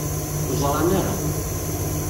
Ur ẓran ara.